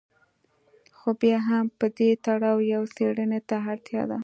خو بیا هم په دې تړاو یوې څېړنې ته اړتیا ده.